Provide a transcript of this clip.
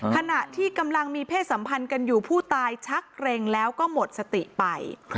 ขณะที่กำลังมีเพศสัมพันธ์กันอยู่ผู้ตายชักเกร็งแล้วก็หมดสติไป